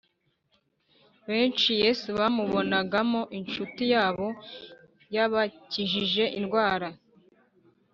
. Benshi Yesu bamubonagamo inshuti yabo yabakijije indwara